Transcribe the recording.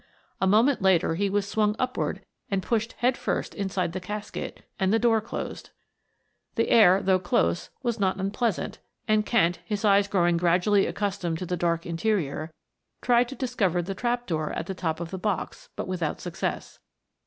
A moment later he was swung upward and pushed head first inside the casket and the door closed. The air, though close, was not unpleasant and Kent, his eyes growing gradually accustomed to the dark interior, tried to discover the trap door at the top of the box but without success.